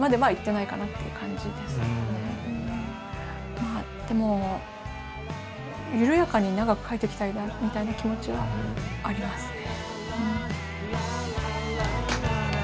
まあでも緩やかに長く描いてきたいなみたいな気持ちはありますね。